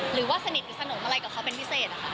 หรือว่าสนิทสนมอะไรกับเขาเป็นพิเศษ